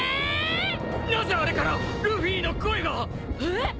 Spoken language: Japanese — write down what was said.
なぜあれからルフィの声が！？えっ！？